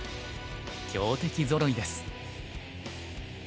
強敵ぞろいです。